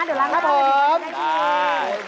เดี๋ยวล่างละครับทุกคนในที่นี่ครับผม